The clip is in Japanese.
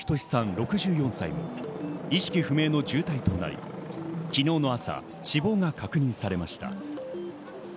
６４歳も意識不明の重体となり、昨日の朝死亡が確認されました。